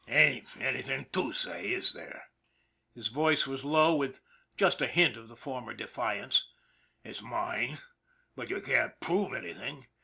" Ain't anything to say, is there ?" his voice was low with just a hint of the former defiance. " It's mine, but you can't prove anything.